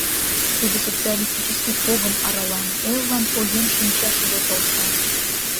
Тудо социалистический погым арала, эллан поен шинчашыже полша.